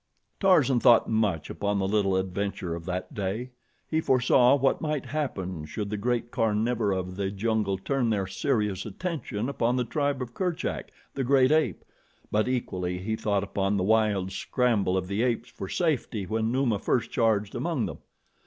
Tarzan thought much upon the little adventure of that day. He foresaw what might happen should the great carnivora of the jungle turn their serious attention upon the tribe of Kerchak, the great ape, but equally he thought upon the wild scramble of the apes for safety when Numa first charged among them.